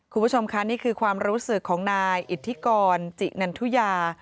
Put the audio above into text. คุณผู้ชมค่ะนี่คือความรู้สึกของนายอิทธิกรจินันทุยา